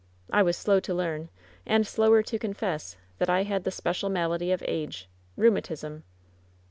I was slow to learn and slower to confess that I had the special malady of age — rheumatism.